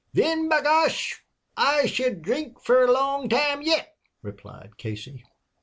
"Thin, b'gosh, I'll hould drink fer a long time yit," replied Casey.